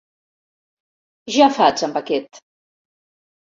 Ja faig amb aquest.